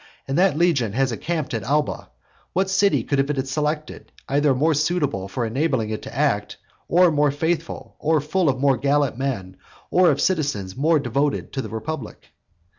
And that legion has encamped at Alba. What city could it have selected either more suitable for enabling it to act, or more faithful, or full of more gallant men, or of citizens more devoted to the republic?